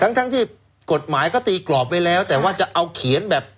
ทั้งทั้งที่กฎหมายก็ตีกรอบไว้แล้วแต่ว่าจะเอาเขียนแบบ